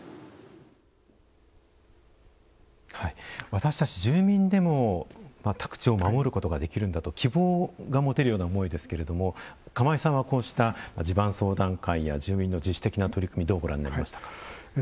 私たち住民でも宅地を守ることができるんだと希望が持てるような思いですけれども釜井さんはこうした地盤相談会や住民の自主的な取り組みどうご覧になりましたか？